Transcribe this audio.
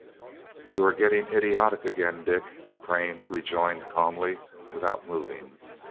"You are getting idiotic again, Dick," Crane rejoined calmly, without moving.